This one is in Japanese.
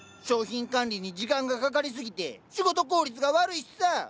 商品管理に時間がかかりすぎて仕事効率が悪いしさ！